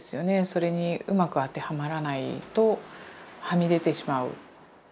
それにうまく当てはまらないとはみ出てしまう。